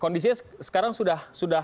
kondisinya sekarang sudah